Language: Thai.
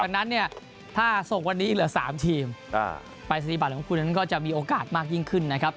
ดังนั้นเนี่ยถ้าส่งวันนี้เหลือ๓ทีมปรายศนียบัตรของคุณนั้นก็จะมีโอกาสมากยิ่งขึ้นนะครับ